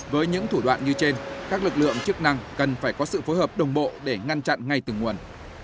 với những thủ đoạn như trên các lực lượng chức năng cần phải có sự phối hợp đồng bộ để ngăn chặn ngay từng nguồn